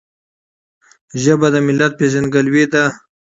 ژبه د ملت پیژندګلوي ده.